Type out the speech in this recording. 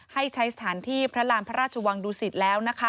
ให้ใช้สถานที่พระรามพระราชวังดุสิตแล้วนะคะ